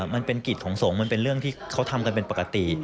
มันเป็นกิจของสงฆ์มันเป็นเรื่องที่เขาทำกันเป็นปกติ